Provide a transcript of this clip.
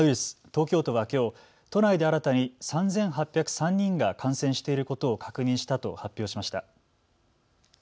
東京都はきょう都内で新たに３８０３人が感染していることを確認したと発表しました。